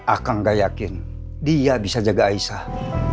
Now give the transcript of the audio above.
akan nggak yakin dia bisa jaga isah